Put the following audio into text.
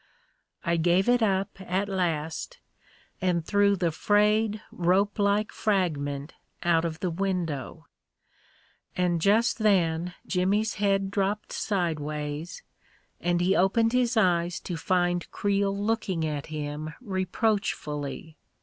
I gave it up, at last, and threw the frayed, rope like fragment out of the window; and just then Jimmy's head dropped side ways, and he opened his eyes to find Creel looking at him reproachfully.